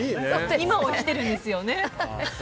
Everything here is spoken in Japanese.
今を生きてるんですよね。